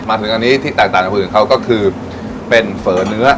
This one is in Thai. อันนี้ที่ต่างจะพูดถึงเขาก็คือเป็นเฝอเนื้อ